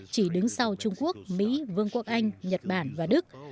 chỉ đứng sau trung quốc mỹ vương quốc anh nhật bản và đức